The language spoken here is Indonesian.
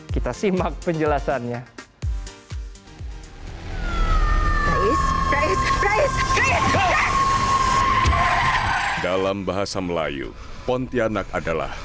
kita simak penjelasannya